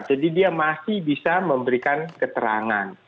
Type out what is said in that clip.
dia masih bisa memberikan keterangan